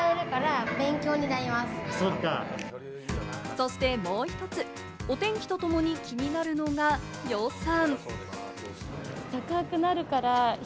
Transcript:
そしてもう一つ、お天気とともに気になるのが予算。